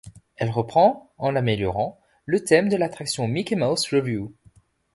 Elle reprend en l'améliorant le thème de l'attraction Mickey Mouse Revue.